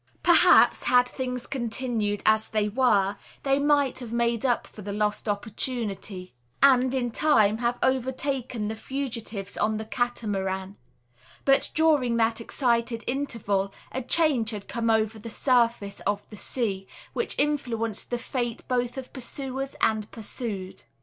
Perhaps, had things continued as they were, they might have made up for the lost opportunity; and, in time, have overtaken the fugitives on the Catamaran; but during that excited interval a change had come over the surface of the sea, which influenced the fate both of pursuers and pursued.